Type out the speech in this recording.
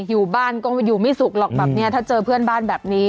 อยู่บ้านก็อยู่ไม่สุขหรอกแบบนี้ถ้าเจอเพื่อนบ้านแบบนี้